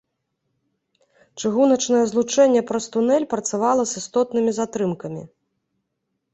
Чыгуначнае злучэнне праз тунель працавала з істотнымі затрымкамі.